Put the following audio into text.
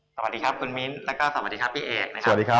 สวัสดีครับคุณมิ้นและสวัสดีครับพี่เอก